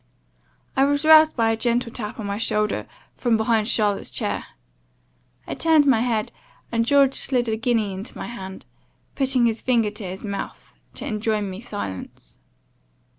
I was roused by a gentle tap on my shoulder from behind Charlotte's chair. I turned my head, and George slid a guinea into my hand, putting his finger to his mouth, to enjoin me silence.